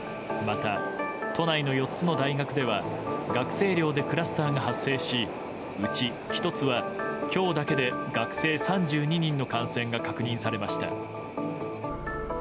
また、都内の４つの大学では学生寮でクラスターが発生しうち１つは今日だけで学生３２人の感染が確認されました。